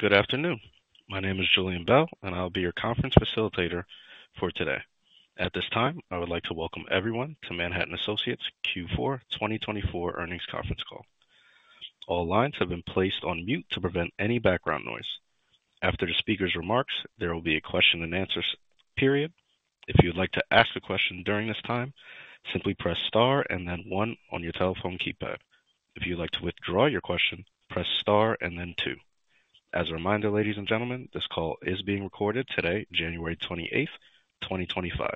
Good afternoon. My name is Julian Bell, and I'll be your conference facilitator for today. At this time, I would like to welcome everyone to Manhattan Associates Q4 2024 earnings conference call. All lines have been placed on mute to prevent any background noise. After the speaker's remarks, there will be a question-and-answer period. If you'd like to ask a question during this time, simply press star and then one on your telephone keypad. If you'd like to withdraw your question, press star and then two. As a reminder, ladies and gentlemen, this call is being recorded today, January 28th, 2025.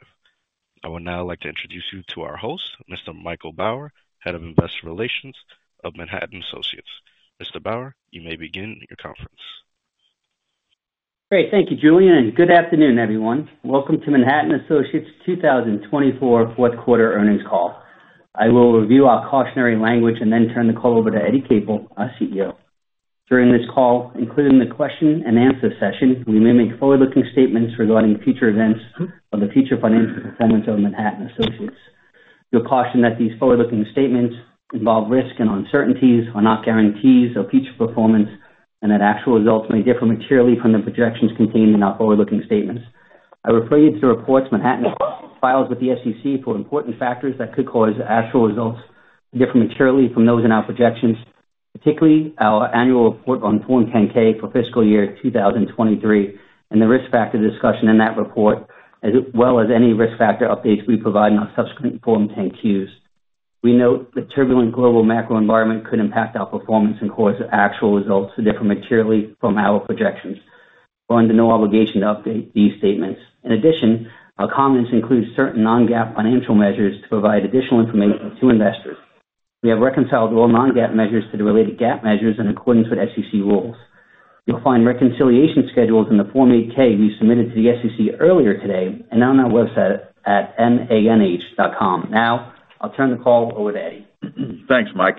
I would now like to introduce you to our host, Mr. Michael Bauer, Head of Investor Relations of Manhattan Associates. Mr. Bauer, you may begin your conference. Great. Thank you, Julian. Good afternoon, everyone. Welcome to Manhattan Associates' 2024 fourth quarter earnings call. I will review our cautionary language and then turn the call over to Eddie Capel, our CEO. During this call, including the question-and-answer session, we may make forward-looking statements regarding future events of the future financial performance of Manhattan Associates. You're cautioned that these forward-looking statements involve risk and uncertainties, are not guarantees of future performance, and that actual results may differ materially from the projections contained in our forward-looking statements. I refer you to the reports Manhattan files with the SEC for important factors that could cause actual results to differ materially from those in our projections, particularly our annual report on Form 10-K for fiscal year 2023 and the risk factor discussion in that report, as well as any risk factor updates we provide in our subsequent Form 10-Qs. We note the turbulent global macro environment could impact our performance and cause actual results to differ materially from our projections. We're under no obligation to update these statements. In addition, our comments include certain non-GAAP financial measures to provide additional information to investors. We have reconciled all non-GAAP measures to the related GAAP measures in accordance with SEC rules. You'll find reconciliation schedules in the Form 8-K we submitted to the SEC earlier today and on our website at manh.com. Now, I'll turn the call over to Eddie. Thanks, Mike,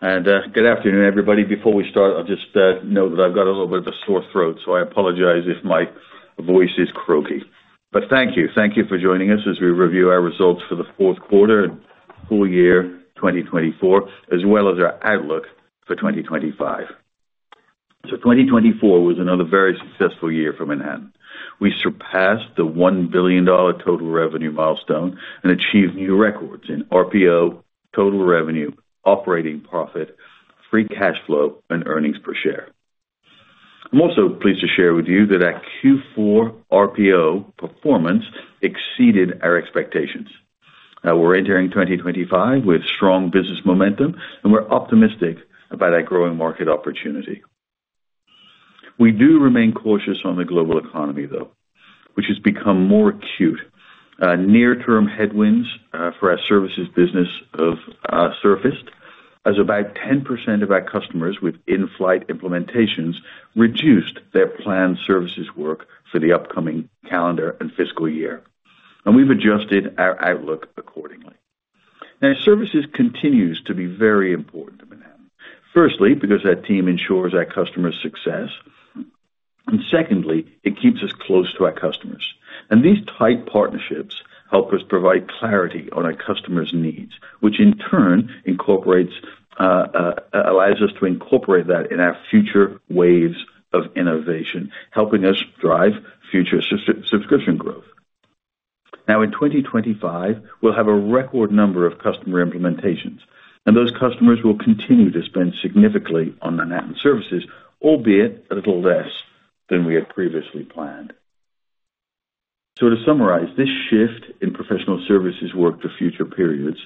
and good afternoon, everybody. Before we start, I'll just note that I've got a little bit of a sore throat, so I apologize if my voice is croaky, but thank you. Thank you for joining us as we review our results for the fourth quarter and full year 2024, as well as our outlook for 2025, so 2024 was another very successful year for Manhattan. We surpassed the $1 billion total revenue milestone and achieved new records in RPO, total revenue, operating profit, free cash flow, and earnings per share. I'm also pleased to share with you that our Q4 RPO performance exceeded our expectations. We're entering 2025 with strong business momentum, and we're optimistic about our growing market opportunity. We do remain cautious on the global economy, though, which has become more acute. Near-term headwinds for our services business have surfaced, as about 10% of our customers with in-flight implementations reduced their planned services work for the upcoming calendar and fiscal year, and we've adjusted our outlook accordingly. Now, services continues to be very important to Manhattan. Firstly, because our team ensures our customers' success, and secondly, it keeps us close to our customers, and these tight partnerships help us provide clarity on our customers' needs, which in turn allows us to incorporate that in our future waves of innovation, helping us drive future subscription growth. Now, in 2025, we'll have a record number of customer implementations, and those customers will continue to spend significantly on Manhattan services, albeit a little less than we had previously planned. So to summarize, this shift in professional services work for future periods,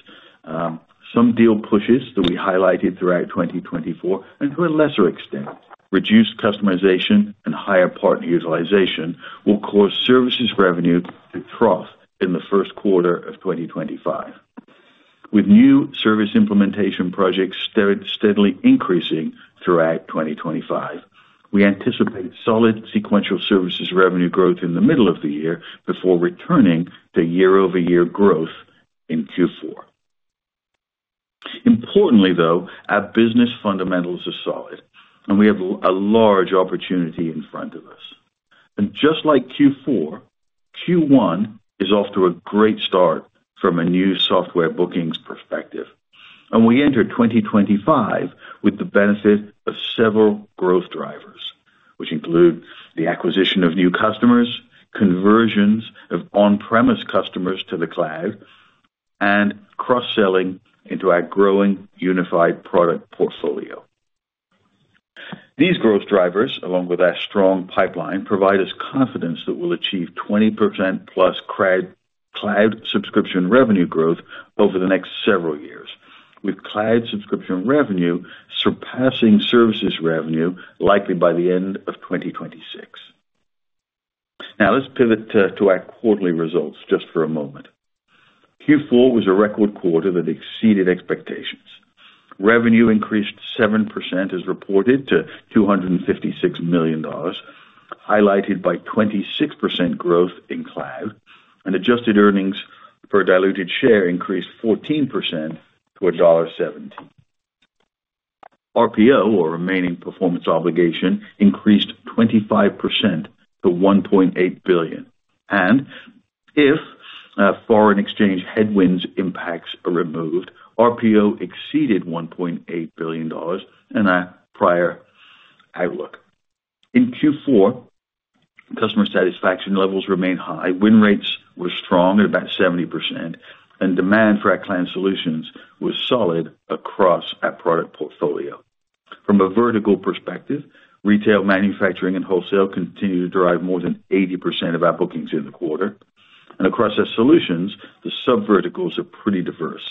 some deal pushes that we highlighted throughout 2024, and to a lesser extent, reduced customization and higher partner utilization will cause services revenue to trough in the first quarter of 2025. With new service implementation projects steadily increasing throughout 2025, we anticipate solid sequential services revenue growth in the middle of the year before returning to year-over-year growth in Q4. Importantly, though, our business fundamentals are solid, and we have a large opportunity in front of us. And just like Q4, Q1 is off to a great start from a new software bookings perspective. And we enter 2025 with the benefit of several growth drivers, which include the acquisition of new customers, conversions of on-premise customers to the cloud, and cross-selling into our growing unified product portfolio. These growth drivers, along with our strong pipeline, provide us confidence that we'll achieve 20%-plus cloud subscription revenue growth over the next several years, with cloud subscription revenue surpassing services revenue likely by the end of 2026. Now, let's pivot to our quarterly results just for a moment. Q4 was a record quarter that exceeded expectations. Revenue increased 7% as reported to $256 million, highlighted by 26% growth in cloud, and adjusted earnings per diluted share increased 14% to $1.17. RPO, or remaining performance obligation, increased 25% to $1.8 billion. And if foreign exchange headwinds impacts are removed, RPO exceeded $1.8 billion in our prior outlook. In Q4, customer satisfaction levels remained high. Win rates were strong at about 70%, and demand for our cloud solutions was solid across our product portfolio. From a vertical perspective, retail, manufacturing, and wholesale continue to drive more than 80% of our bookings in the quarter, and across our solutions, the sub-verticals are pretty diverse.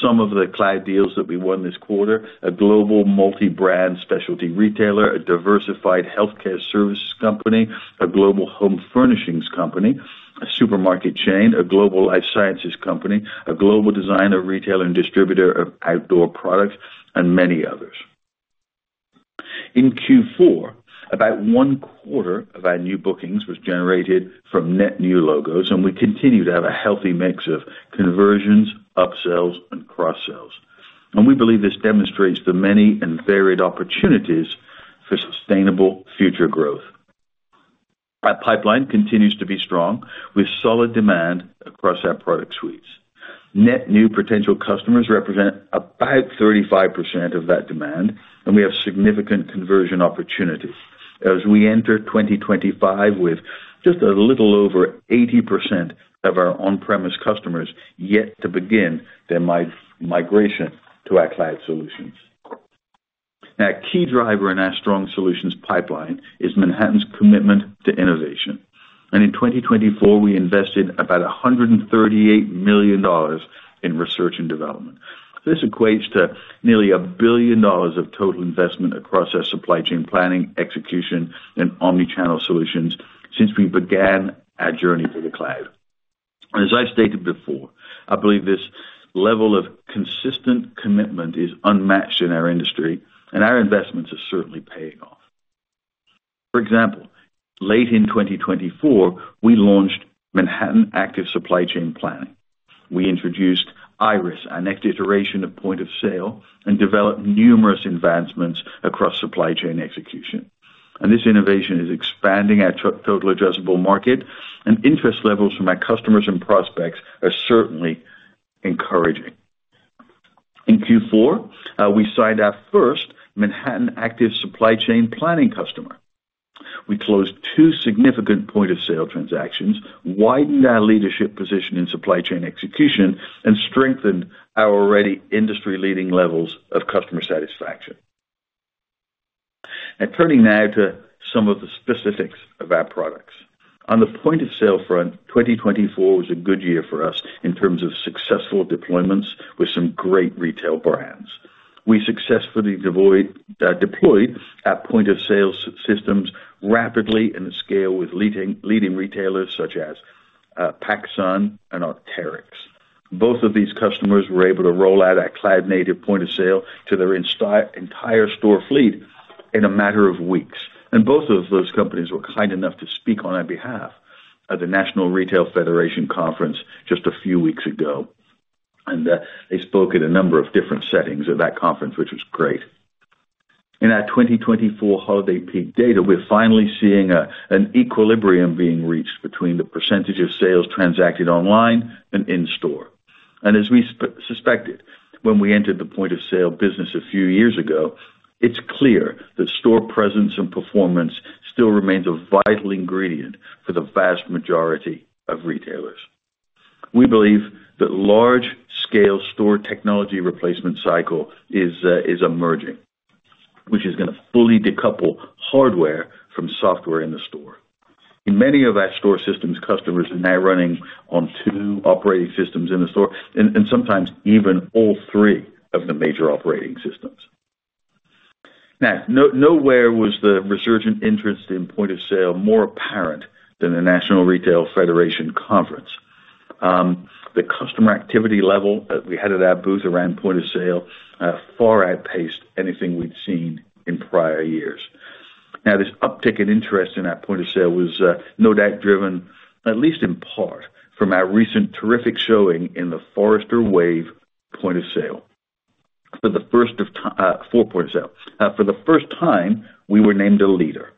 Some of the cloud deals that we won this quarter: a global multi-brand specialty retailer, a diversified healthcare services company, a global home furnishings company, a supermarket chain, a global life sciences company, a global designer, retailer, and distributor of outdoor products, and many others. In Q4, about one quarter of our new bookings was generated from net new logos, and we continue to have a healthy mix of conversions, upsells, and cross-sells, and we believe this demonstrates the many and varied opportunities for sustainable future growth. Our pipeline continues to be strong, with solid demand across our product suites. Net new potential customers represent about 35% of that demand, and we have significant conversion opportunities. As we enter 2025 with just a little over 80% of our on-premise customers yet to begin their migration to our cloud solutions. Now, a key driver in our strong solutions pipeline is Manhattan's commitment to innovation. And in 2024, we invested about $138 million in research and development. This equates to nearly $1 billion of total investment across our supply chain planning, execution, and omnichannel solutions since we began our journey to the cloud. As I stated before, I believe this level of consistent commitment is unmatched in our industry, and our investments are certainly paying off. For example, late in 2024, we launched Manhattan Active Supply Chain Planning. We introduced Iris, our next iteration of point of sale, and developed numerous advancements across supply chain execution. And this innovation is expanding our total addressable market, and interest levels from our customers and prospects are certainly encouraging. In Q4, we signed our first Manhattan Active Supply Chain Planning customer. We closed two significant point-of-sale transactions, widened our leadership position in supply chain execution, and strengthened our already industry-leading levels of customer satisfaction. Now, turning to some of the specifics of our products. On the point-of-sale front, 2024 was a good year for us in terms of successful deployments with some great retail brands. We successfully deployed our point-of-sale systems rapidly and at scale with leading retailers such as PacSun and Arc'teryx. Both of these customers were able to roll out our cloud-native point-of-sale to their entire store fleet in a matter of weeks. Both of those companies were kind enough to speak on our behalf at the National Retail Federation Conference just a few weeks ago. They spoke at a number of different settings at that conference, which was great. In our 2024 holiday peak data, we're finally seeing an equilibrium being reached between the percentage of sales transacted online and in store. As we suspected when we entered the point-of-sale business a few years ago, it's clear that store presence and performance still remains a vital ingredient for the vast majority of retailers. We believe that large-scale store technology replacement cycle is emerging, which is going to fully decouple hardware from software in the store. Many of our store systems customers are now running on two operating systems in the store, and sometimes even all three of the major operating systems. Now, nowhere was the resurgent interest in point-of-sale more apparent than the National Retail Federation conference. The customer activity level that we had at our booth around point-of-sale far outpaced anything we'd seen in prior years. Now, this uptick in interest in our point-of-sale was no doubt driven, at least in part, from our recent terrific showing in the Forrester Wave point-of-sale. For the first time, we were named a leader.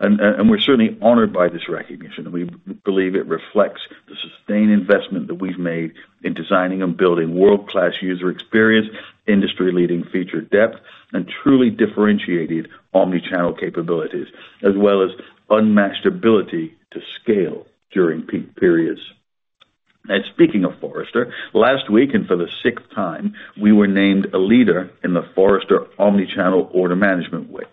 And we're certainly honored by this recognition. We believe it reflects the sustained investment that we've made in designing and building world-class user experience, industry-leading feature depth, and truly differentiated omnichannel capabilities, as well as unmatched ability to scale during peak periods. Now, speaking of Forrester, last week, and for the sixth time, we were named a leader in the Forrester Omnichannel Order Management Wave.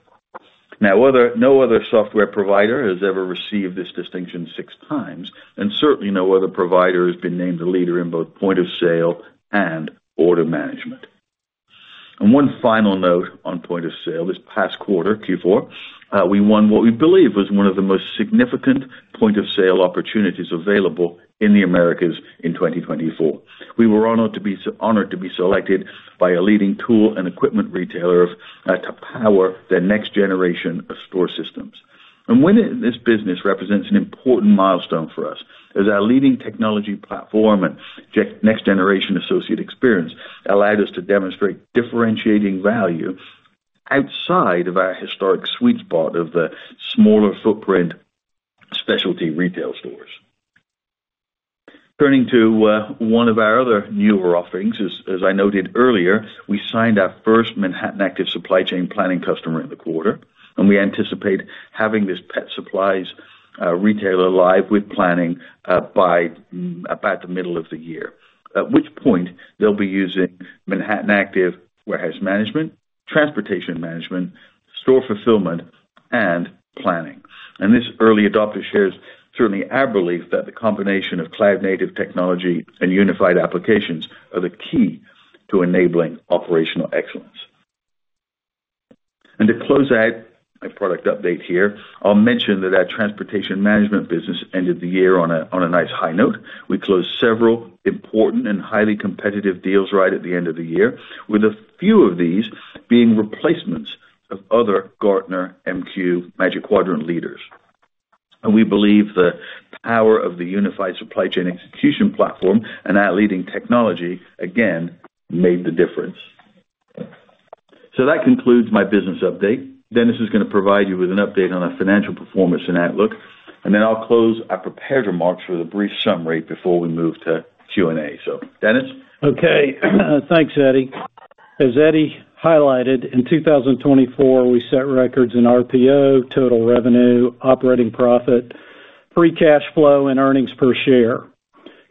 Now, no other software provider has ever received this distinction six times, and certainly no other provider has been named a leader in both point-of-sale and order management. And one final note on point-of-sale: this past quarter, Q4, we won what we believe was one of the most significant point-of-sale opportunities available in the Americas in 2024. We were honored to be selected by a leading tool and equipment retailer to power the next generation of store systems. And winning this business represents an important milestone for us, as our leading technology platform and next-generation associate experience allowed us to demonstrate differentiating value outside of our historic sweet spot of the smaller footprint specialty retail stores. Turning to one of our other newer offerings, as I noted earlier, we signed our first Manhattan Active Supply Chain Planning customer in the quarter. And we anticipate having this pet supplies retailer live with planning by about the middle of the year, at which point they'll be using Manhattan Active Warehouse Management, Transportation Management, Store Fulfillment, and Planning. And this early adopter shares certainly our belief that the combination of cloud-native technology and unified applications are the key to enabling operational excellence. And to close out my product update here, I'll mention that our transportation management business ended the year on a nice high note. We closed several important and highly competitive deals right at the end of the year, with a few of these being replacements of other Gartner, MQ, Magic Quadrant leaders. And we believe the power of the unified supply chain execution platform and our leading technology, again, made the difference. So that concludes my business update. Dennis is going to provide you with an update on our financial performance and outlook. And then I'll close our prepared remarks with a brief summary before we move to Q&A. So, Dennis? Okay. Thanks, Eddie. As Eddie highlighted, in 2024, we set records in RPO, total revenue, operating profit, free cash flow, and earnings per share.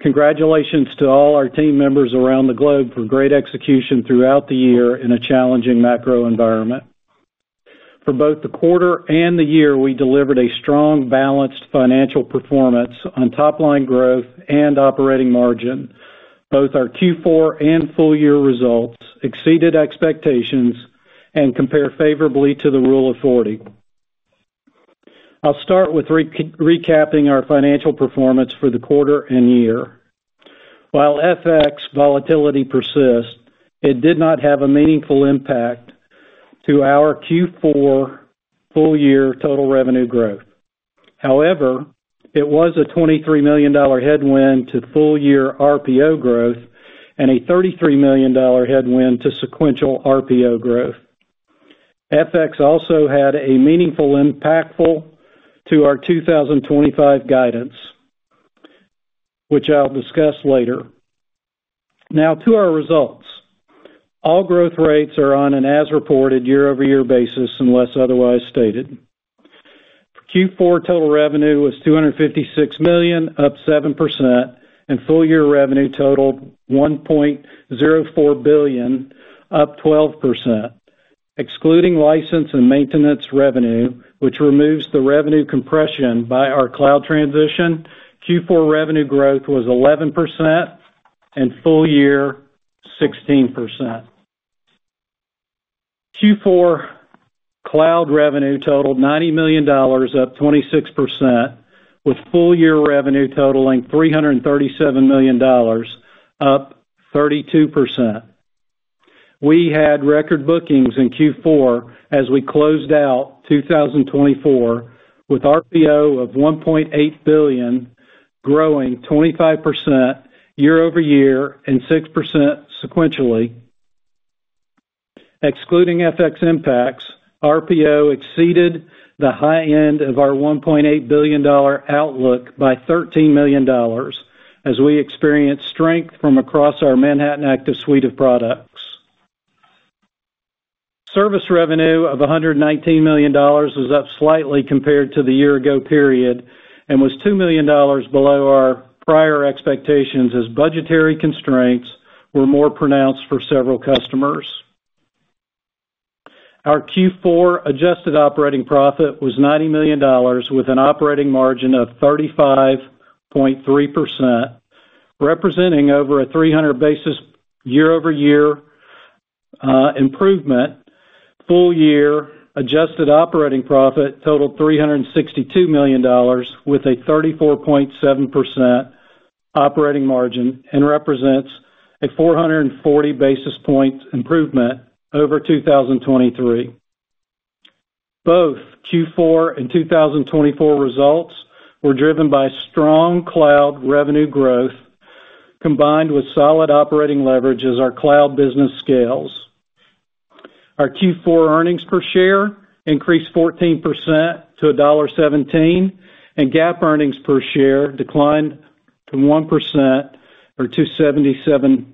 Congratulations to all our team members around the globe for great execution throughout the year in a challenging macro environment. For both the quarter and the year, we delivered a strong, balanced financial performance on top-line growth and operating margin. Both our Q4 and full-year results exceeded expectations and compare favorably to the Rule of 40. I'll start with recapping our financial performance for the quarter and year. While FX volatility persists, it did not have a meaningful impact to our Q4 full-year total revenue growth. However, it was a $23 million headwind to full-year RPO growth and a $33 million headwind to sequential RPO growth. FX also had a meaningful impact to our 2025 guidance, which I'll discuss later. Now, to our results. All growth rates are on an as-reported year-over-year basis unless otherwise stated. Q4 total revenue was $256 million, up 7%, and full-year revenue totaled $1.04 billion, up 12%. Excluding license and maintenance revenue, which removes the revenue compression by our cloud transition, Q4 revenue growth was 11% and full-year 16%. Q4 cloud revenue totaled $90 million, up 26%, with full-year revenue totaling $337 million, up 32%. We had record bookings in Q4 as we closed out 2024 with RPO of $1.8 billion, growing 25% year-over-year and 6% sequentially. Excluding FX impacts, RPO exceeded the high end of our $1.8 billion outlook by $13 million, as we experienced strength from across our Manhattan Active suite of products. Service revenue of $119 million was up slightly compared to the year-ago period and was $2 million below our prior expectations as budgetary constraints were more pronounced for several customers. Our Q4 adjusted operating profit was $90 million, with an operating margin of 35.3%, representing over a 300 basis points year-over-year improvement. Full-year adjusted operating profit totaled $362 million, with a 34.7% operating margin and represents a 440 basis points improvement over 2023. Both Q4 and 2024 results were driven by strong cloud revenue growth combined with solid operating leverage as our cloud business scales. Our Q4 earnings per share increased 14% to $1.17, and GAAP earnings per share declined 1% to $0.77.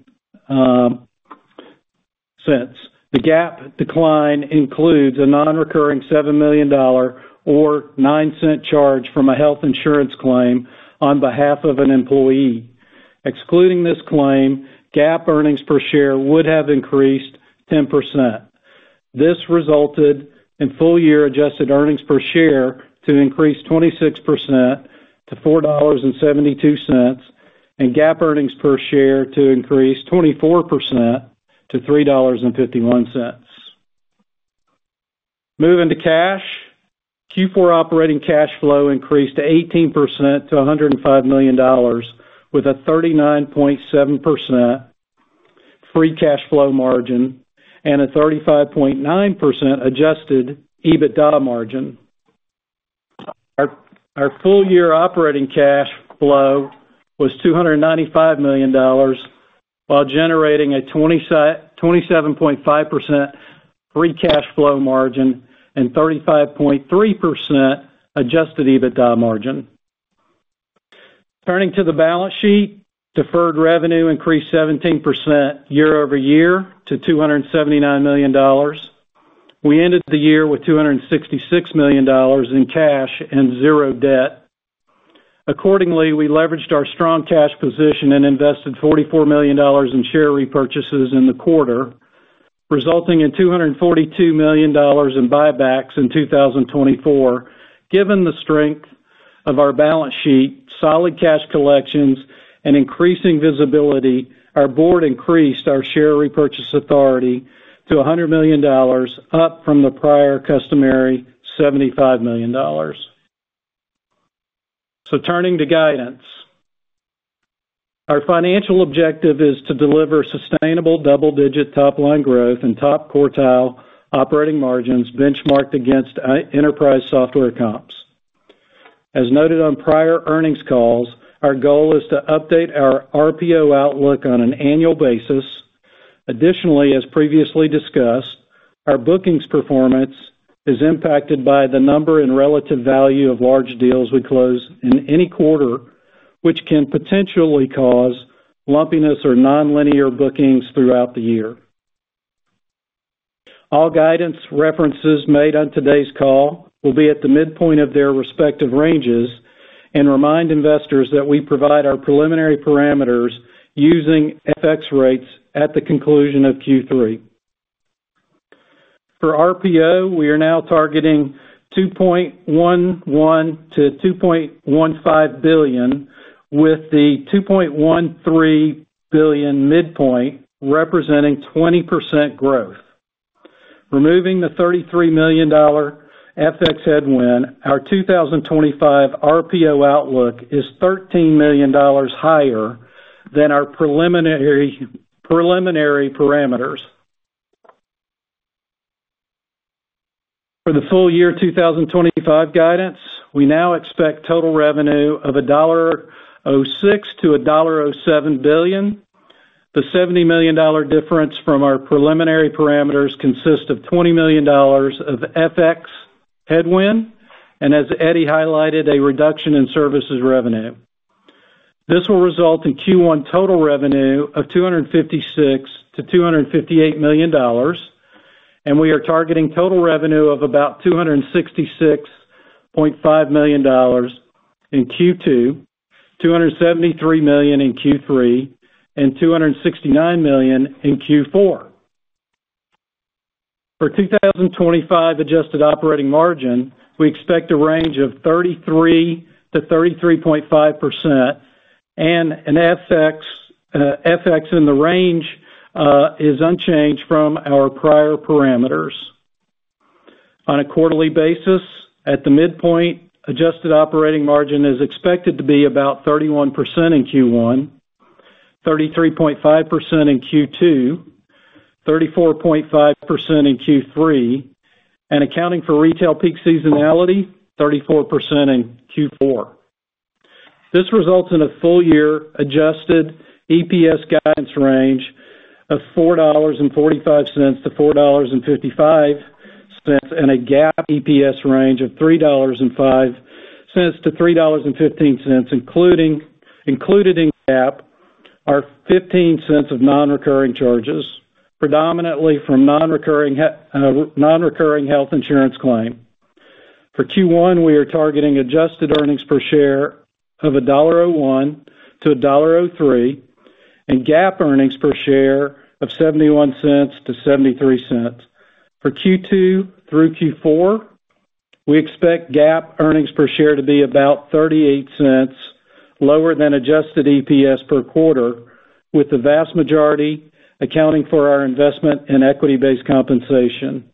The GAAP decline includes a non-recurring $7 million or $0.09 charge from a health insurance claim on behalf of an employee. Excluding this claim, GAAP earnings per share would have increased 10%. This resulted in full-year adjusted earnings per share to increase 26% to $4.72, and GAAP earnings per share to increase 24% to $3.51. Moving to cash, Q4 operating cash flow increased 18% to $105 million, with a 39.7% free cash flow margin and a 35.9% adjusted EBITDA margin. Our full-year operating cash flow was $295 million, while generating a 27.5% free cash flow margin and 35.3% adjusted EBITDA margin. Turning to the balance sheet, deferred revenue increased 17% year-over-year to $279 million. We ended the year with $266 million in cash and zero debt. Accordingly, we leveraged our strong cash position and invested $44 million in share repurchases in the quarter, resulting in $242 million in buybacks in 2024. Given the strength of our balance sheet, solid cash collections, and increasing visibility, our board increased our share repurchase authority to $100 million, up from the prior customary $75 million. Turning to guidance, our financial objective is to deliver sustainable double-digit top-line growth and top quartile operating margins benchmarked against enterprise software comps. As noted on prior earnings calls, our goal is to update our RPO outlook on an annual basis. Additionally, as previously discussed, our bookings performance is impacted by the number and relative value of large deals we close in any quarter, which can potentially cause lumpiness or non-linear bookings throughout the year. All guidance references made on today's call will be at the midpoint of their respective ranges and remind investors that we provide our preliminary parameters using FX rates at the conclusion of Q3. For RPO, we are now targeting $2.11 billion-$2.15 billion, with the $2.13 billion midpoint representing 20% growth. Removing the $33 million FX headwind, our 2025 RPO outlook is $13 million higher than our preliminary parameters. For the full-year 2025 guidance, we now expect total revenue of $1.06 billion-$1.07 billion. The $70 million difference from our preliminary parameters consists of $20 million of FX headwind, and as Eddie highlighted, a reduction in services revenue. This will result in Q1 total revenue of $256 million-$258 million, and we are targeting total revenue of about $266.5 million in Q2, $273 million in Q3, and $269 million in Q4. For 2025 adjusted operating margin, we expect a range of 33%-33.5%, and FX in the range is unchanged from our prior parameters. On a quarterly basis, at the midpoint, adjusted operating margin is expected to be about 31% in Q1, 33.5% in Q2, 34.5% in Q3, and accounting for retail peak seasonality, 34% in Q4. This results in a full-year adjusted EPS guidance range of $4.45-$4.55 and a GAAP EPS range of $3.05-$3.15, including in GAAP are $0.15 of non-recurring charges, predominantly from non-recurring health insurance claim. For Q1, we are targeting adjusted earnings per share of $1.01-$1.03 and GAAP earnings per share of $0.71-$0.73. For Q2 through Q4, we expect GAAP earnings per share to be about $0.38 lower than adjusted EPS per quarter, with the vast majority accounting for our investment and equity-based compensation.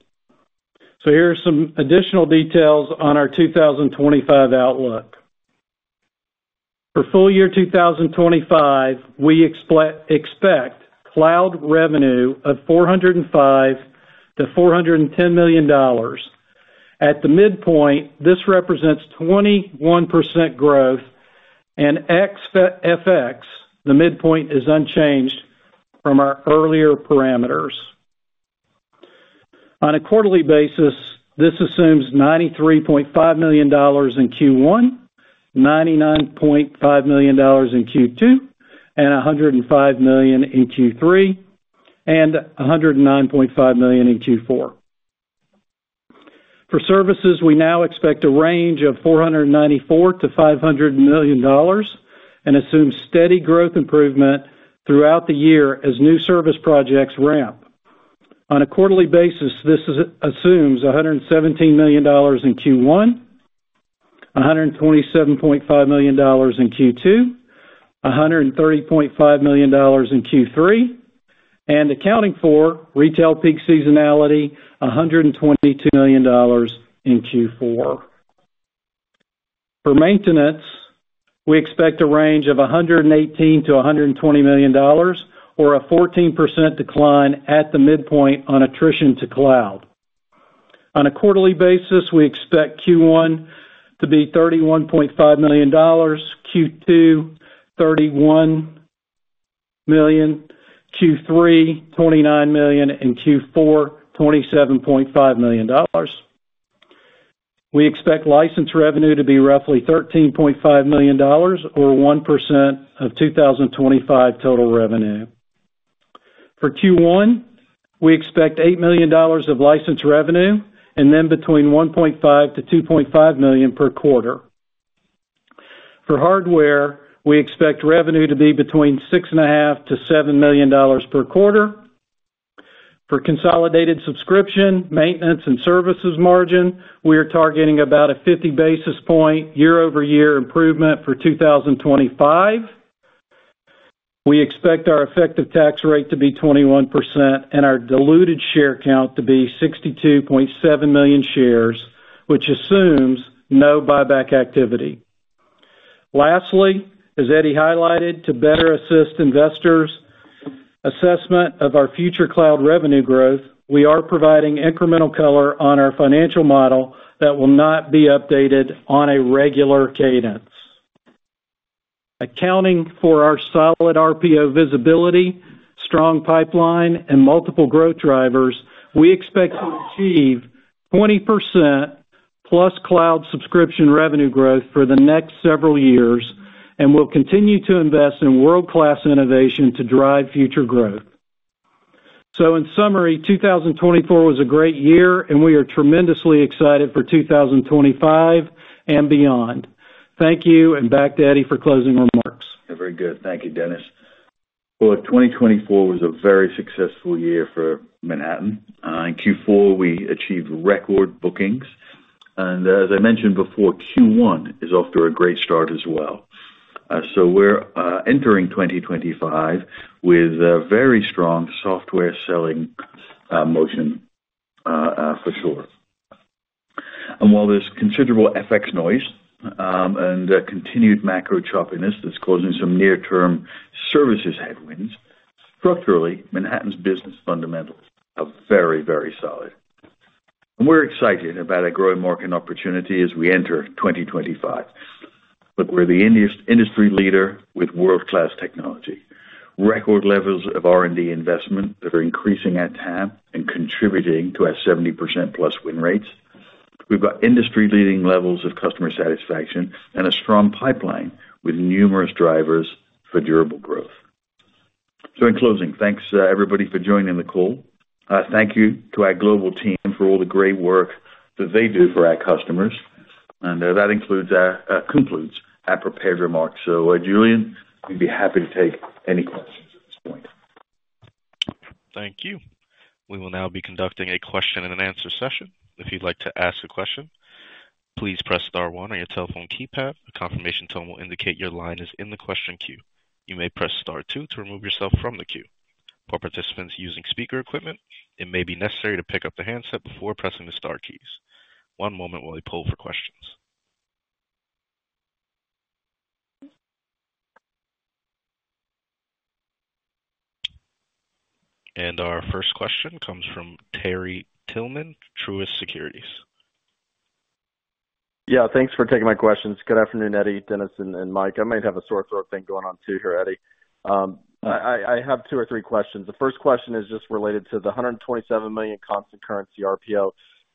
Here are some additional details on our 2025 outlook. For full-year 2025, we expect cloud revenue of $405 million-$410 million. At the midpoint, this represents 21% growth, and FX, the midpoint, is unchanged from our earlier parameters. On a quarterly basis, this assumes $93.5 million in Q1, $99.5 million in Q2, and $105 million in Q3, and $109.5 million in Q4. For services, we now expect a range of $494 million-$500 million and assume steady growth improvement throughout the year as new service projects ramp. On a quarterly basis, this assumes $117 million in Q1, $127.5 million in Q2, $130.5 million in Q3, and accounting for retail peak seasonality, $122 million in Q4. For maintenance, we expect a range of $118 million-$120 million or a 14% decline at the midpoint on attrition to cloud. On a quarterly basis, we expect Q1 to be $31.5 million, Q2 $31 million, Q3 $29 million, and Q4 $27.5 million. We expect license revenue to be roughly $13.5 million or 1% of 2025 total revenue. For Q1, we expect $8 million of license revenue and then between $1.5 million-$2.5 million per quarter. For hardware, we expect revenue to be between $6.5 million-$7 million per quarter. For consolidated subscription, maintenance, and services margin, we are targeting about a 50 basis point year-over-year improvement for 2025. We expect our effective tax rate to be 21% and our diluted share count to be 62.7 million shares, which assumes no buyback activity. Lastly, as Eddie highlighted, to better assist investors' assessment of our future cloud revenue growth, we are providing incremental color on our financial model that will not be updated on a regular cadence. Accounting for our solid RPO visibility, strong pipeline, and multiple growth drivers, we expect to achieve 20%+ cloud subscription revenue growth for the next several years and will continue to invest in world-class innovation to drive future growth. In summary, 2024 was a great year, and we are tremendously excited for 2025 and beyond. Thank you, and back to Eddie for closing remarks. Very good. Thank you, Dennis. Well, 2024 was a very successful year for Manhattan. In Q4, we achieved record bookings. And as I mentioned before, Q1 is off to a great start as well. We're entering 2025 with a very strong software selling motion for sure. And while there's considerable FX noise and continued macro choppiness that's causing some near-term services headwinds, structurally, Manhattan's business fundamentals are very, very solid. And we're excited about a growing market opportunity as we enter 2025. But we're the industry leader with world-class technology, record levels of R&D investment that are increasing at TAM and contributing to our 70%+ win rates. We've got industry-leading levels of customer satisfaction and a strong pipeline with numerous drivers for durable growth. So in closing, thanks everybody for joining the call. Thank you to our global team for all the great work that they do for our customers. And that includes our prepared remarks. So Julian, we'd be happy to take any questions at this point. Thank you. We will now be conducting a question and an answer session. If you'd like to ask a question, please press star one on your telephone keypad. The confirmation tone will indicate your line is in the question queue. You may press star two to remove yourself from the queue. For participants using speaker equipment, it may be necessary to pick up the handset before pressing the star keys. One moment while we pull for questions. And our first question comes from Terry Tillman, Truist Securities. Yeah, thanks for taking my questions. Good afternoon, Eddie, Dennis, and Michael. I might have a sore throat thing going on too here, Eddie. I have two or three questions. The first question is just related to the $127 million constant currency RPO.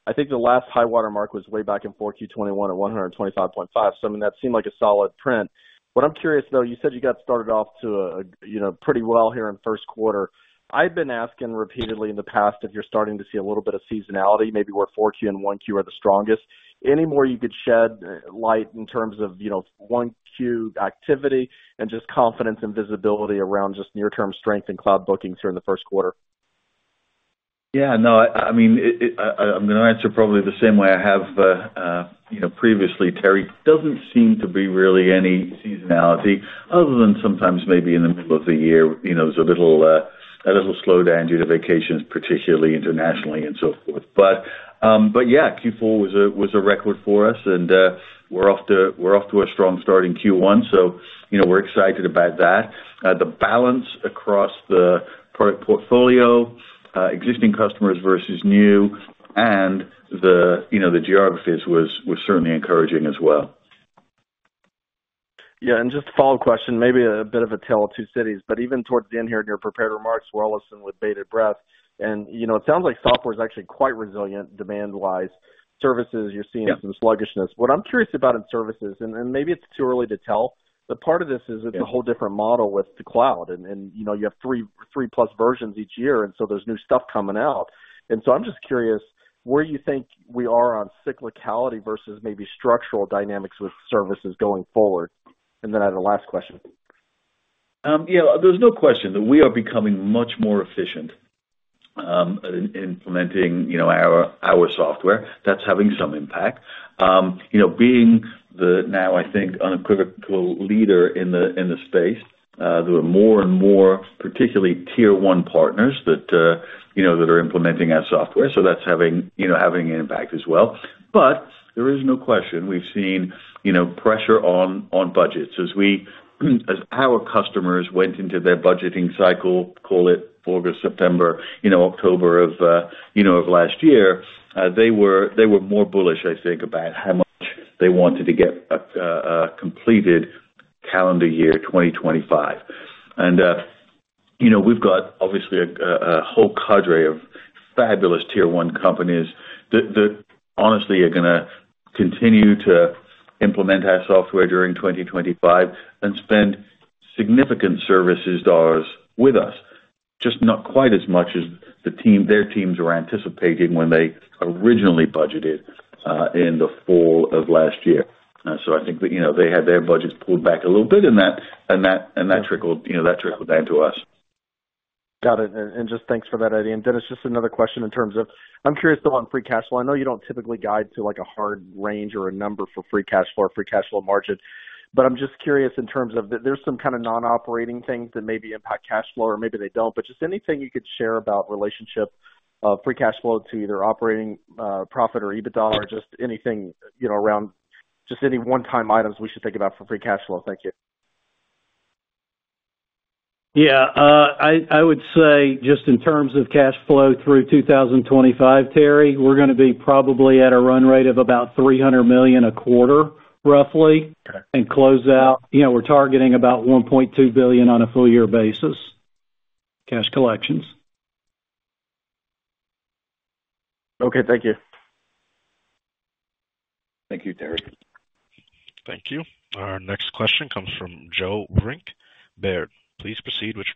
I think the last high watermark was way back in 4Q 2021 at $125.5 million. So I mean, that seemed like a solid print. What I'm curious though, you said you got off to a pretty good start here in first quarter. I've been asking repeatedly in the past if you're starting to see a little bit of seasonality, maybe where 4Q and 1Q are the strongest. Any more you could shed light on in terms of 1Q activity and just confidence and visibility around just near-term strength in cloud bookings during the first quarter? Yeah, no. I mean, I'm going to answer probably the same way I have previously, Terry. Doesn't seem to be really any seasonality other than sometimes maybe in the middle of the year. There's a little slowdown due to vacations, particularly internationally and so forth. But yeah, Q4 was a record for us, and we're off to a strong start in Q1. So we're excited about that. The balance across the product portfolio, existing customers versus new, and the geographies was certainly encouraging as well. Yeah, and just a follow-up question, maybe a bit of a tale of two cities. But even towards the end here in your prepared remarks, we'll listen with bated breath. And it sounds like software is actually quite resilient demand-wise. Services, you're seeing some sluggishness. What I'm curious about in services, and maybe it's too early to tell, but part of this is it's a whole different model with the cloud, and you have three plus versions each year, and so there's new stuff coming out. And so I'm just curious where you think we are on cyclicality versus maybe structural dynamics with services going forward? And then I have a last question. Yeah, there's no question that we are becoming much more efficient in implementing our software. That's having some impact. Being now, I think, an unequivocal leader in the space, there are more and more particularly tier one partners that are implementing our software. So that's having an impact as well. But there is no question we've seen pressure on budgets. As our customers went into their budgeting cycle, call it August, September, October of last year, they were more bullish, I think, about how much they wanted to get a completed calendar year 2025. We've got, obviously, a whole cadre of fabulous tier one companies that honestly are going to continue to implement our software during 2025 and spend significant services dollars with us, just not quite as much as their teams were anticipating when they originally budgeted in the fall of last year. So I think that they had their budgets pulled back a little bit, and that trickled down to us. Got it. Just thanks for that, Eddie. Dennis, just another question in terms of I'm curious about free cash flow. I know you don't typically guide to a hard range or a number for free cash flow or free cash flow margin. But I'm just curious in terms of there's some kind of non-operating things that maybe impact cash flow, or maybe they don't. But just anything you could share about relationship of free cash flow to either operating profit or EBITDA or just anything around just any one-time items we should think about for free cash flow. Thank you. Yeah. I would say just in terms of cash flow through 2025, Terry, we're going to be probably at a run rate of about $300 million a quarter, roughly, and close out. We're targeting about $1.2 billion on a full-year basis. Cash collections. Okay. Thank you. Thank you, Terry. Thank you. Our next question comes from Joe Vruwink, Baird. Please proceed with your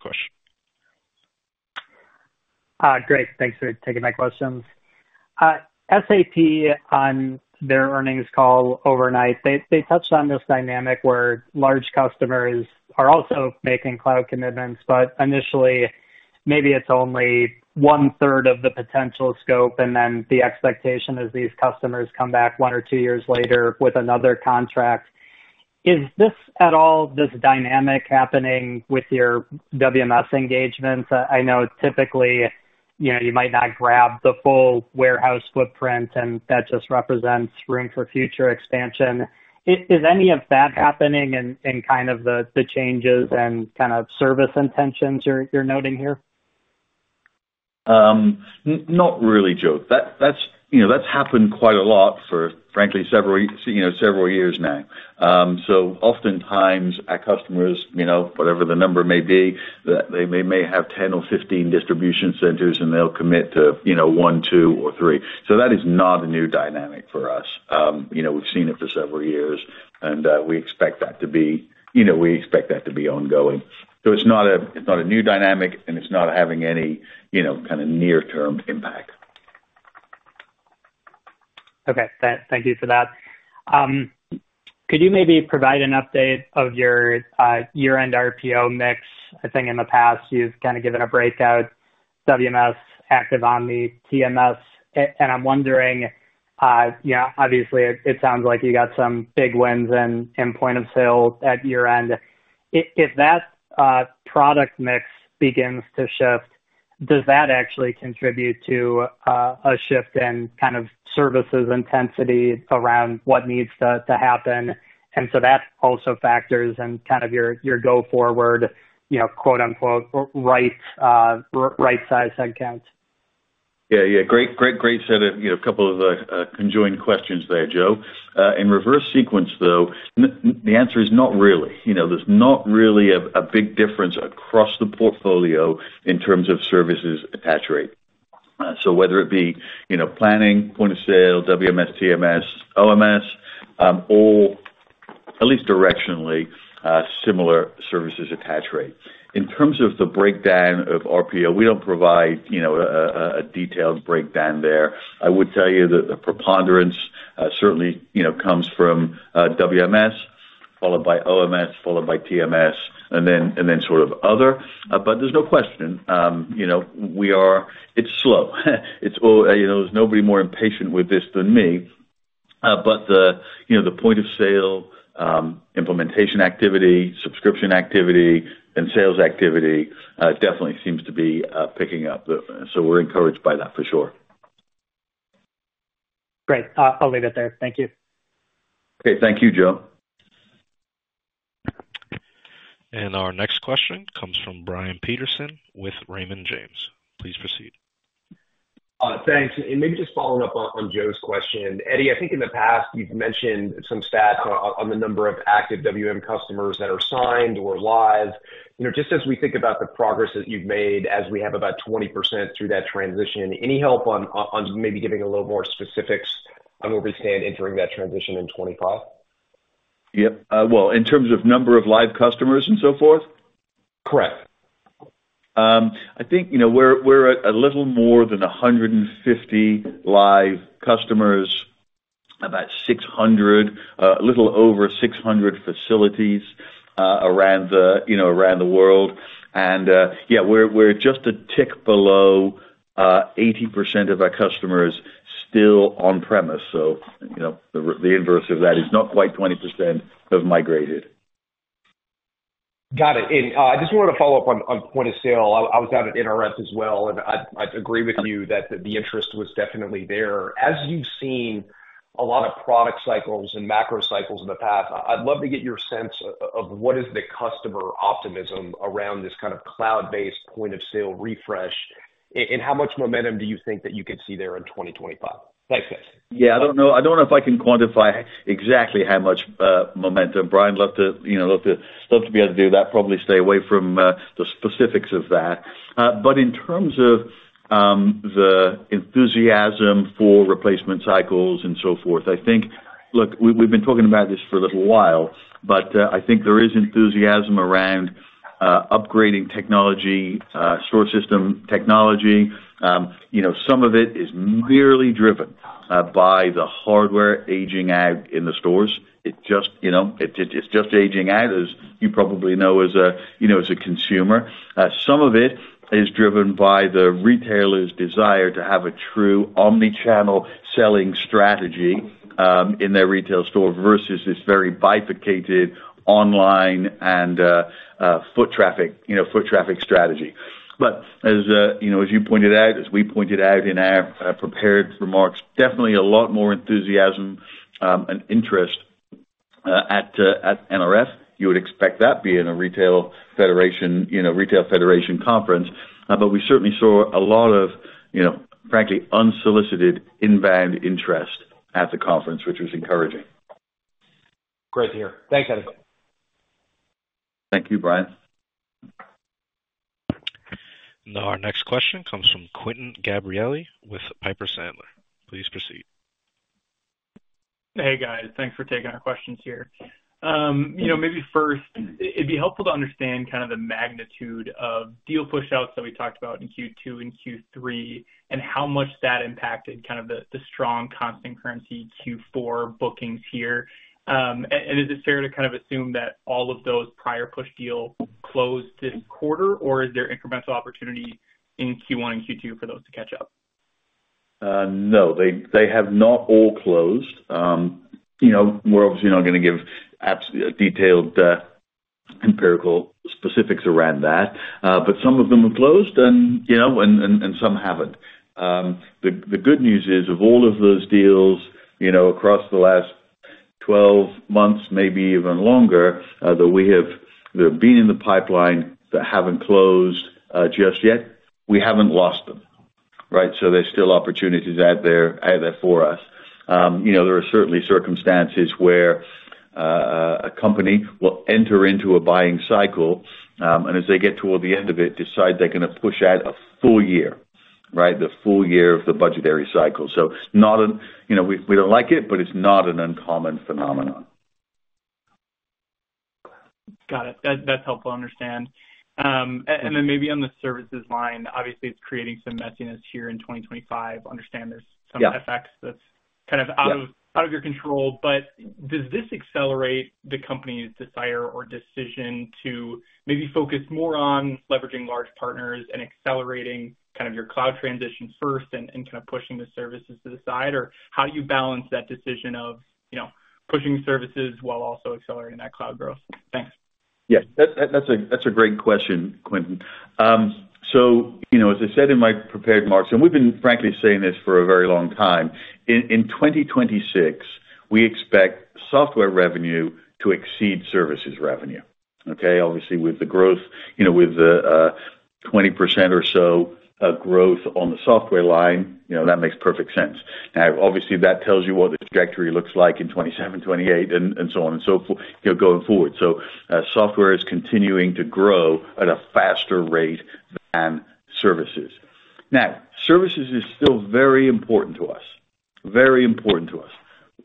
question. Great. Thanks for taking my questions. SAP on their earnings call overnight, they touched on this dynamic where large customers are also making cloud commitments, but initially, maybe it's only one-third of the potential scope, and then the expectation is these customers come back one or two years later with another contract. Is this at all this dynamic happening with your WMS engagements? I know typically you might not grab the full warehouse footprint, and that just represents room for future expansion. Is any of that happening in kind of the changes and kind of service intentions you're noting here? Not really, Joe. That's happened quite a lot for, frankly, several years now, so oftentimes, our customers, whatever the number may be, they may have 10 or 15 distribution centers, and they'll commit to one, two, or three, so that is not a new dynamic for us. We've seen it for several years, and we expect that to be ongoing. So it's not a new dynamic, and it's not having any kind of near-term impact. Okay. Thank you for that. Could you maybe provide an update of your year-end RPO mix? I think in the past, you've kind of given a breakout WMS, Active Omni, TMS. And I'm wondering, obviously, it sounds like you got some big wins in point of sale at year-end. If that product mix begins to shift, does that actually contribute to a shift in kind of services intensity around what needs to happen? And so that also factors in kind of your go-forward, quote-unquote, "right-sized headcount." Yeah. Yeah. Great set of a couple of conjoined questions there, Joe. In reverse sequence, though, the answer is not really. There's not really a big difference across the portfolio in terms of services attach rate. So whether it be planning, point of sale, WMS, TMS, OMS, or at least directionally similar services attach rate. In terms of the breakdown of RPO, we don't provide a detailed breakdown there. I would tell you that the preponderance certainly comes from WMS, followed by OMS, followed by TMS, and then sort of other. But there's no question. It's slow. There's nobody more impatient with this than me. But the point of sale implementation activity, subscription activity, and sales activity definitely seems to be picking up. So we're encouraged by that for sure. Great. I'll leave it there. Thank you. Okay. Thank you, Joe. And our next question comes from Brian Peterson with Raymond James. Please proceed. Thanks. And maybe just following up on Joe's question. Eddie, I think in the past, you've mentioned some stats on the number of Active WM customers that are signed or live. Just as we think about the progress that you've made as we have about 20% through that transition, any help on maybe giving a little more specifics on where we stand entering that transition in 2025? Yep. Well, in terms of number of live customers and so forth? Correct. I think we're at a little more than 150 live customers, about 600, a little over 600 facilities around the world. And yeah, we're just a tick below 80% of our customers still on-premise. So the inverse of that is not quite 20% of migrated. Got it. And I just wanted to follow up on point of sale. I was at an NRF as well, and I'd agree with you that the interest was definitely there. As you've seen a lot of product cycles and macro cycles in the past, I'd love to get your sense of what is the customer optimism around this kind of cloud-based point of sale refresh, and how much momentum do you think that you could see there in 2025? Thanks. Yeah. I don't know if I can quantify exactly how much momentum. Brian would love to be able to do that. Probably stay away from the specifics of that. But in terms of the enthusiasm for replacement cycles and so forth, I think, look, we've been talking about this for a little while, but I think there is enthusiasm around upgrading technology, store system technology. Some of it is merely driven by the hardware aging out in the stores. It's just aging out, as you probably know as a consumer. Some of it is driven by the retailer's desire to have a true omnichannel selling strategy in their retail store versus this very bifurcated online and foot traffic strategy, but as you pointed out, as we pointed out in our prepared remarks, definitely a lot more enthusiasm and interest at NRF. You would expect that being a retail federation conference, but we certainly saw a lot of, frankly, unsolicited inbound interest at the conference, which was encouraging. Great to hear. Thanks, Eddie. Thank you, Brian, and our next question comes from Quinton Gabrielli with Piper Sandler. Please proceed. Hey, guys. Thanks for taking our questions here. Maybe first, it'd be helpful to understand kind of the magnitude of deal push-outs that we talked about in Q2 and Q3 and how much that impacted kind of the strong constant currency Q4 bookings here. Is it fair to kind of assume that all of those prior push deals closed this quarter, or is there incremental opportunity in Q1 and Q2 for those to catch up? No. They have not all closed. We're obviously not going to give detailed empirical specifics around that. But some of them have closed, and some haven't. The good news is, of all of those deals across the last 12 months, maybe even longer, that we have been in the pipeline that haven't closed just yet, we haven't lost them. Right? So there's still opportunities out there for us. There are certainly circumstances where a company will enter into a buying cycle, and as they get toward the end of it, decide they're going to push out a full year, right, the full year of the budgetary cycle. So we don't like it, but it's not an uncommon phenomenon. Got it. That's helpful to understand. And then maybe on the services line, obviously, it's creating some messiness here in 2025. Understand there's some effects that's kind of out of your control. But does this accelerate the company's desire or decision to maybe focus more on leveraging large partners and accelerating kind of your cloud transition first and kind of pushing the services to the side? Or how do you balance that decision of pushing services while also accelerating that cloud growth? Thanks. Yeah. That's a great question, Quinton. So as I said in my prepared remarks, and we've been frankly saying this for a very long time, in 2026, we expect software revenue to exceed services revenue. Okay? Obviously, with the growth, with the 20% or so growth on the software line, that makes perfect sense. Now, obviously, that tells you what the trajectory looks like in 2027, 2028, and so on and so forth going forward. So software is continuing to grow at a faster rate than services. Now, services is still very important to us. Very important to us.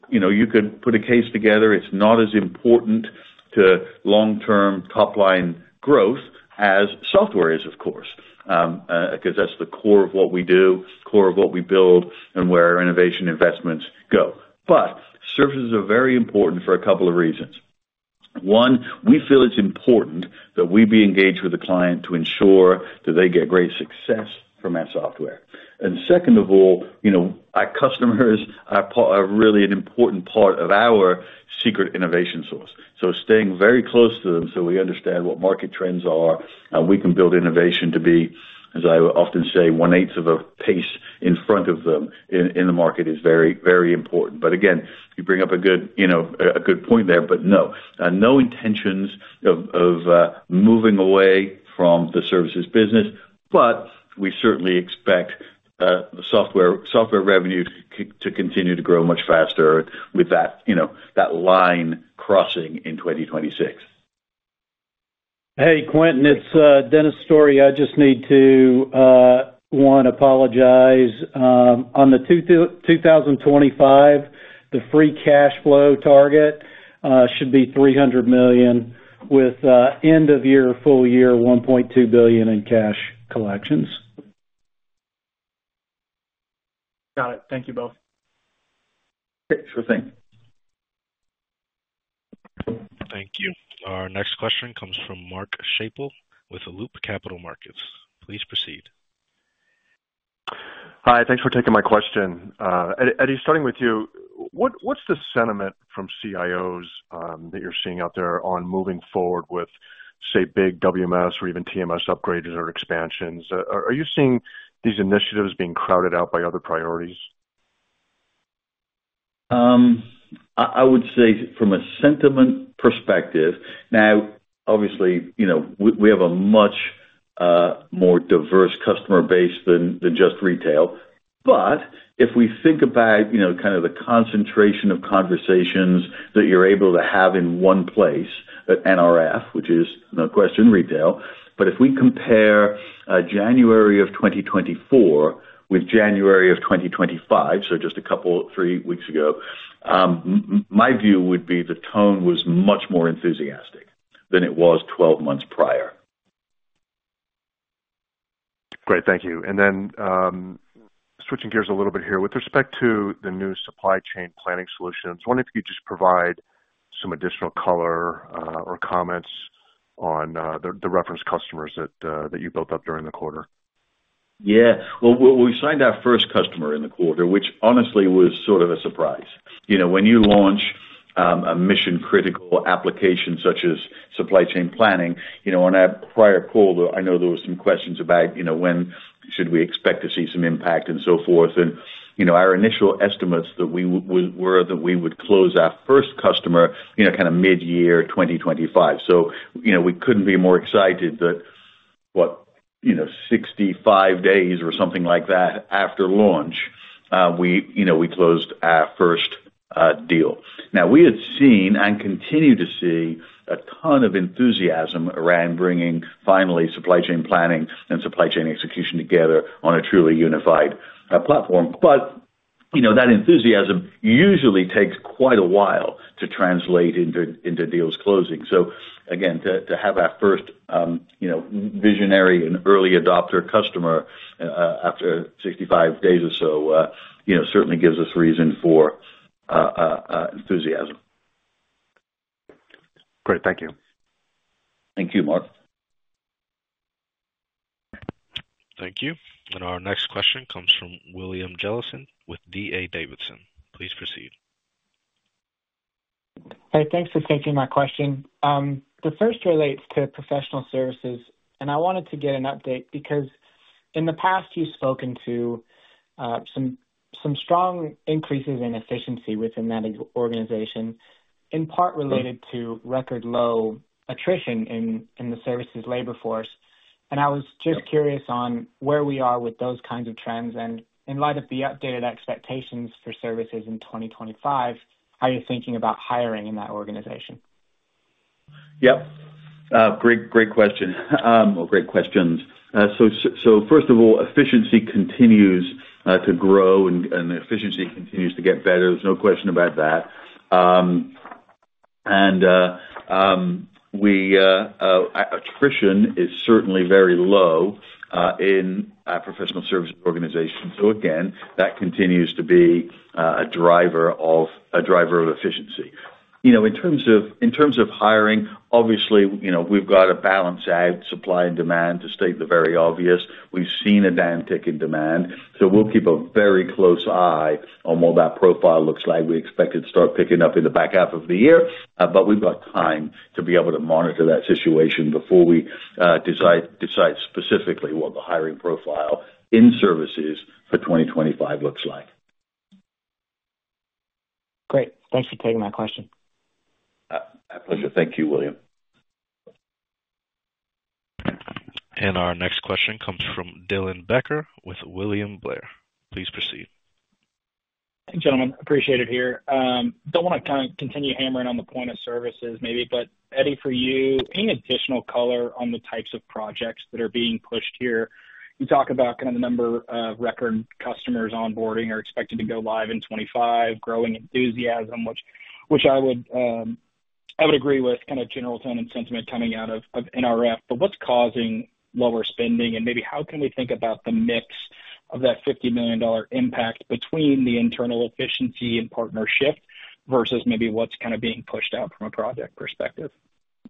You could put a case together. It's not as important to long-term top-line growth as software is, of course, because that's the core of what we do, core of what we build, and where our innovation investments go. But services are very important for a couple of reasons. One, we feel it's important that we be engaged with the client to ensure that they get great success from our software. And second of all, our customers are really an important part of our secret innovation source. Staying very close to them so we understand what market trends are and we can build innovation to be, as I often say, one-eighth of a pace in front of them in the market is very, very important. But again, you bring up a good point there, but no. No intentions of moving away from the services business, but we certainly expect software revenue to continue to grow much faster with that line crossing in 2026. Hey, Quentin. It's Dennis Story. I just need to, one, apologize. On the 2025, the free cash flow target should be $300 million with end-of-year, full-year, $1.2 billion in cash collections. Got it. Thank you both. Sure thing. Thank you. Our next question comes from Mark Schappel with Loop Capital Markets. Please proceed. Hi. Thanks for taking my question. Eddie, starting with you, what's the sentiment from CIOs that you're seeing out there on moving forward with, say, big WMS or even TMS upgrades or expansions? Are you seeing these initiatives being crowded out by other priorities? I would say from a sentiment perspective, now, obviously, we have a much more diverse customer base than just retail. But if we think about kind of the concentration of conversations that you're able to have in one place, NRF, which is no question retail, but if we compare January of 2024 with January of 2025, so just a couple, three weeks ago, my view would be the tone was much more enthusiastic than it was 12 months prior. Great. Thank you. And then switching gears a little bit here, with respect to the new supply chain planning solutions, I wonder if you could just provide some additional color or comments on the reference customers that you built up during the quarter. Yeah. Well, we signed our first customer in the quarter, which honestly was sort of a surprise. When you launch a mission-critical application such as supply chain planning, on our prior call, I know there were some questions about when should we expect to see some impact and so forth. And our initial estimates were that we would close our first customer kind of mid-year 2025. So we couldn't be more excited that, what, 65 days or something like that after launch, we closed our first deal. Now, we had seen and continue to see a ton of enthusiasm around bringing finally supply chain planning and supply chain execution together on a truly unified platform. But that enthusiasm usually takes quite a while to translate into deals closing. So again, to have our first visionary and early adopter customer after 65 days or so certainly gives us reason for enthusiasm. Great. Thank you. Thank you, Mark. Thank you. And our next question comes from William Jellison with D.A. Davidson. Please proceed. Hey, thanks for taking my question. The first relates to professional services, and I wanted to get an update because in the past, you've spoken to some strong increases in efficiency within that organization, in part related to record-low attrition in the services labor force. And I was just curious on where we are with those kinds of trends. And in light of the updated expectations for services in 2025, how are you thinking about hiring in that organization? Yep. Great question. Well, great questions. So first of all, efficiency continues to grow, and efficiency continues to get better. There's no question about that. And attrition is certainly very low in our professional services organization. So again, that continues to be a driver of efficiency. In terms of hiring, obviously, we've got to balance out supply and demand, to state the very obvious. We've seen a downtick in demand. So we'll keep a very close eye on what that profile looks like. We expect it to start picking up in the back half of the year, but we've got time to be able to monitor that situation before we decide specifically what the hiring profile in services for 2025 looks like. Great. Thanks for taking my question. My pleasure. Thank you, William. And our next question comes from Dylan Becker with William Blair. Please proceed. Thanks, gentlemen. Appreciate it here. Don't want to kind of continue hammering on the point of services maybe, but Eddie, for you, any additional color on the types of projects that are being pushed here? You talk about kind of the number of record customers onboarding are expected to go live in 2025, growing enthusiasm, which I would agree with kind of general tone and sentiment coming out of NRF. But what's causing lower spending? And maybe how can we think about the mix of that $50 million impact between the internal efficiency and partnership versus maybe what's kind of being pushed out from a project perspective?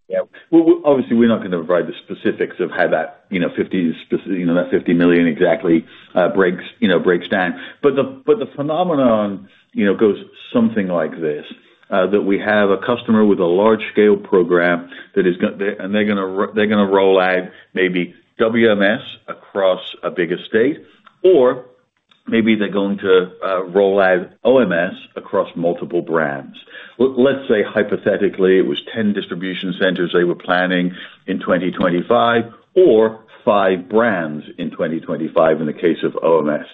Yeah. Well, obviously, we're not going to provide the specifics of how that $50, not $50 million exactly, breaks down. But the phenomenon goes something like this, that we have a customer with a large-scale program, and they're going to roll out maybe WMS across a bigger state, or maybe they're going to roll out OMS across multiple brands. Let's say, hypothetically, it was 10 distribution centers they were planning in 2025 or five brands in 2025 in the case of OMS.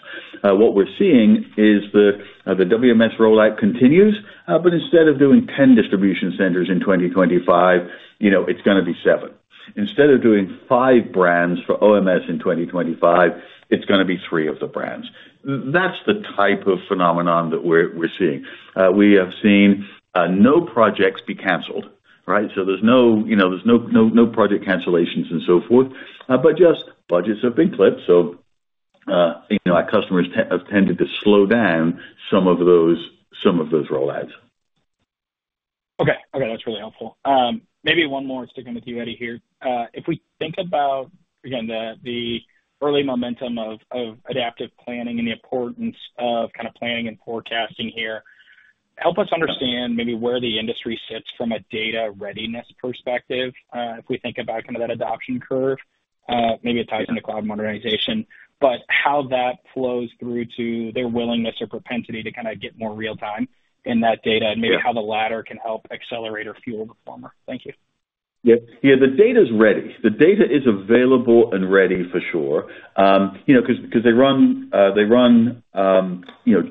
What we're seeing is the WMS rollout continues, but instead of doing 10 distribution centers in 2025, it's going to be seven. Instead of doing five brands for OMS in 2025, it's going to be three of the brands. That's the type of phenomenon that we're seeing. We have seen no projects be canceled, right? So there's no project cancellations and so forth, but just budgets have been clipped. So our customers have tended to slow down some of those rollouts. Okay. Okay. That's really helpful. Maybe one more sticking with you, Eddie, here. If we think about, again, the early momentum of adaptive planning and the importance of kind of planning and forecasting here, help us understand maybe where the industry sits from a data readiness perspective. If we think about kind of that adoption curve, maybe it ties into cloud modernization, but how that flows through to their willingness or propensity to kind of get more real-time in that data and maybe how the latter can help accelerate or fuel the former. Thank you. Yeah. Yeah. The data's ready. The data is available and ready for sure because they run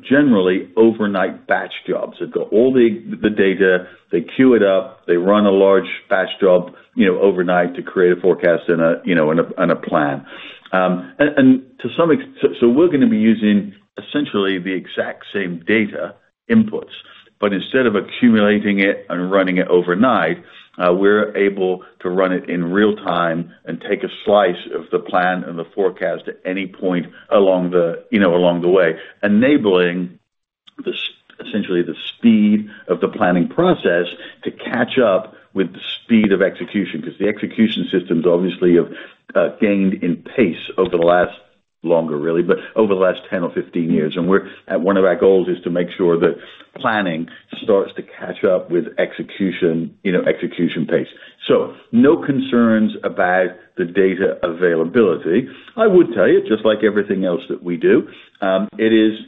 generally overnight batch jobs. They've got all the data. They queue it up. They run a large batch job overnight to create a forecast and a plan. And to some extent, so we're going to be using essentially the exact same data inputs. Instead of accumulating it and running it overnight, we're able to run it in real-time and take a slice of the plan and the forecast at any point along the way, enabling essentially the speed of the planning process to catch up with the speed of execution because the execution systems obviously have gained in pace over the last longer, really, but over the last 10 or 15 years. And one of our goals is to make sure that planning starts to catch up with execution pace. So no concerns about the data availability. I would tell you, just like everything else that we do, there's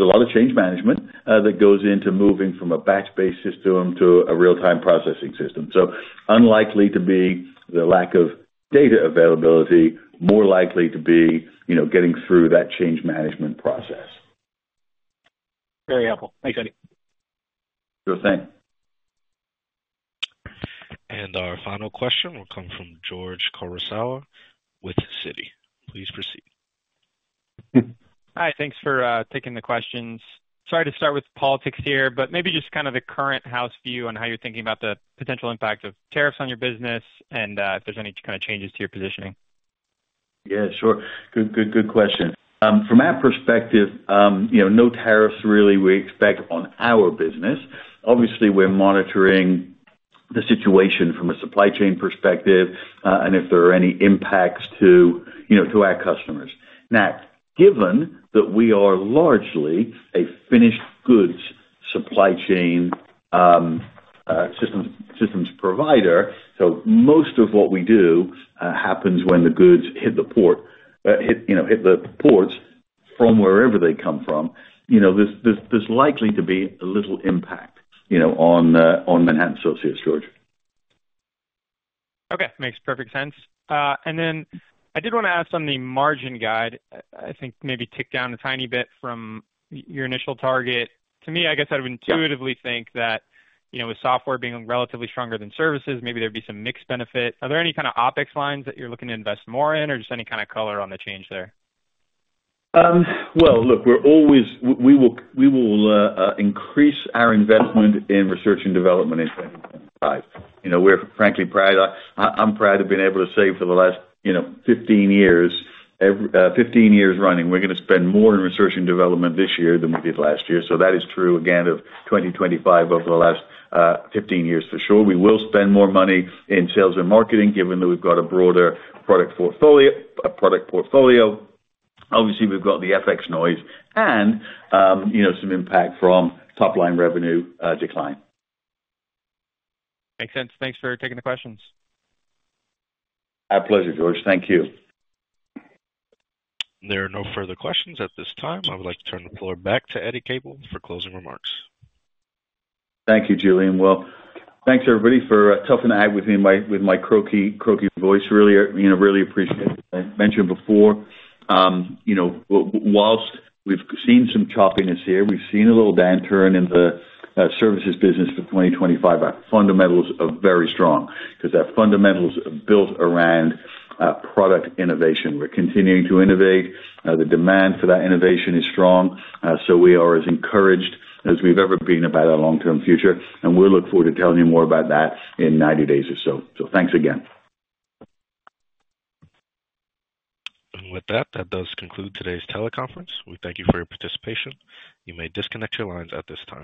a lot of change management that goes into moving from a batch-based system to a real-time processing system. So unlikely to be the lack of data availability, more likely to be getting through that change management process. Very helpful. Thanks, Eddie. Sure thing. And our final question will come from George Kurosawa with Citi. Please proceed. Hi. Thanks for taking the questions. Sorry to start with politics here, but maybe just kind of the current house view on how you're thinking about the potential impact of tariffs on your business and if there's any kind of changes to your positioning. Yeah. Sure. Good question. From our perspective, no tariffs really we expect on our business. Obviously, we're monitoring the situation from a supply chain perspective and if there are any impacts to our customers. Now, given that we are largely a finished goods supply chain systems provider, so most of what we do happens when the goods hit the ports from wherever they come from, there's likely to be a little impact on Manhattan Associates, George. Okay. Makes perfect sense. And then I did want to ask on the margin guide. I think maybe tick down a tiny bit from your initial target. To me, I guess I would intuitively think that with software being relatively stronger than services, maybe there'd be some mixed benefit. Are there any kind of opex lines that you're looking to invest more in or just any kind of color on the change there? Well, look, we will increase our investment in research and development in 2025. We're, frankly, proud. I'm proud of being able to say for the last 15 years, 15 years running, we're going to spend more in research and development this year than we did last year. So that is true, again, of 2025 over the last 15 years for sure. We will spend more money in sales and marketing given that we've got a broader product portfolio. Obviously, we've got the FX noise and some impact from top-line revenue decline. Makes sense. Thanks for taking the questions. Our pleasure, George. Thank you. There are no further questions at this time. I would like to turn the floor back to Eddie Capel for closing remarks. Thank you, Julian. Well, thanks, everybody, for toughing it out with me with my croaky voice. Really appreciate it. I mentioned before, whilst we've seen some choppiness here, we've seen a little downturn in the services business for 2025. Our fundamentals are very strong because our fundamentals are built around product innovation. We're continuing to innovate. The demand for that innovation is strong. So we are as encouraged as we've ever been about our long-term future. And we'll look forward to telling you more about that in 90 days or so. So thanks again. And with that, that does conclude today's teleconference. We thank you for your participation. You may disconnect your lines at this time.